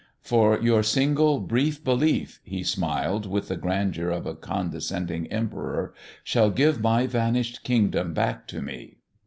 "For your single, brief belief," he smiled with the grandeur of a condescending Emperor, "shall give my vanished Kingdom back to me."